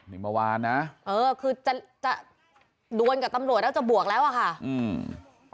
นี่เมื่อวานนะเออคือจะจะดวนกับตำรวจแล้วจะบวกแล้วอ่ะค่ะอืม